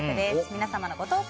皆様のご投稿